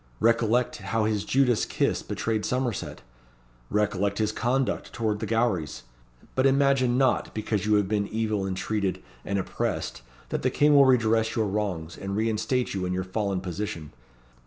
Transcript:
Recollect how his Judas kiss betrayed Somerset. Recollect his conduct towards the Gowries. But imagine not, because you have been evil intreated and oppressed, that the King will redress your wrongs, and reinstate you in your fallen position.